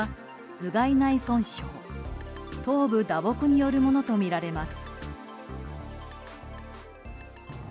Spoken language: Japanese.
頭部打撲によるものとみられます。